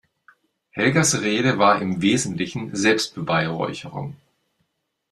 Helgas Rede war im Wesentlichen Selbstbeweihräucherung.